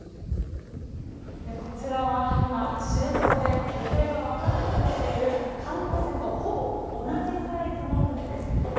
こちらは今、知床で行方が分からなくなっている観光船とほぼ同じサイズの船です。